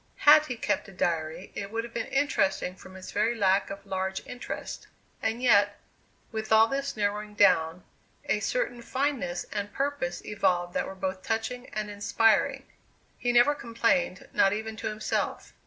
Had he kept a diary it would have been interesting from its very lack of large interest. And yet, with all this narrowing down, a certain fineness and purpose evolved that were both touching and inspiring. He never complained, not even to himself.